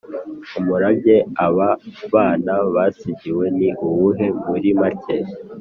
Umurage aba bana basigiwe ni uwuhe muri make?